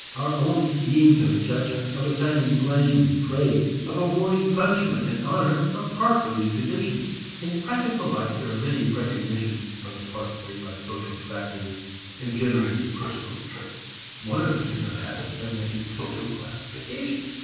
Our own schemes of judgment, of assigning blame and praise, of awarding punishment and honor, are part of these conditions. In practical life, there are many recognitions of the part played by social factors in generating personal traits. One of them is our habit of making social classifications.